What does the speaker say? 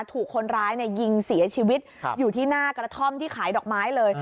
ถูกคนร้ายยิงเสียชีวิตอยู่ที่หน้ากระท่อมที่ขายดอกไม้เลย